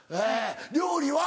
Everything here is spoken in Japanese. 料理は？